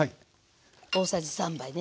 大さじ３杯ね。